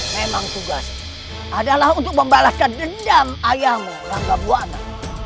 memang tugas adalah untuk membalaskan dendam ayahmu ranggabuakna